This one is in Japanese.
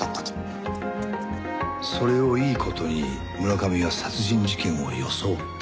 それをいい事に村上は殺人事件を装った。